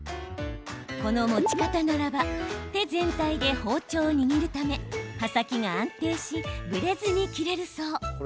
この持ち方ならば手全体で包丁を握るため刃先が安定しぶれずに切れるそう。